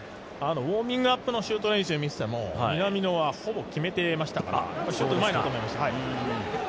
ウォーミングアップのシュート練習を見てても南野はほぼ決めてましたからシュートうまいなと思いました。